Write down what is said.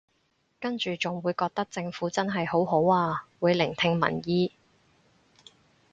跟住仲會覺得政府真係好好啊會聆聽民意